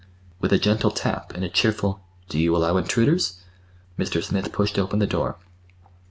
With a gentle tap and a cheerful "Do you allow intruders?" Mr. Smith pushed open the door.